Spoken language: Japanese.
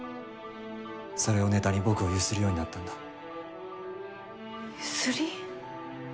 それをネタに僕をゆするようになったんだ。ゆすり！？